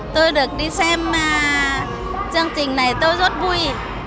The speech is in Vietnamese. tôi được đi xem chương trình này tôi rất vui